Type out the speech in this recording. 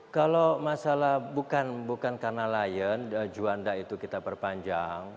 kalau masalah bukan karena lion juanda itu kita perpanjang